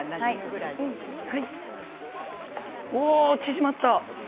縮まった。